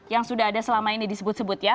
yang sudah ada selama ini disebut sebut ya